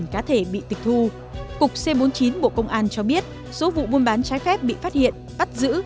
cục c bốn mươi chín bộ công an cho biết số vụ buôn bán trái phép bị phát hiện bắt giữ